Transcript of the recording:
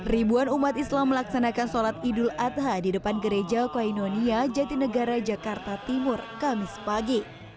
ribuan umat islam melaksanakan sholat idul adha di depan gereja koinonia jatinegara jakarta timur kamis pagi